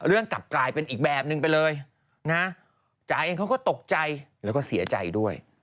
กลับกลายเป็นอีกแบบนึงไปเลยนะจ๋าเองเขาก็ตกใจแล้วก็เสียใจด้วย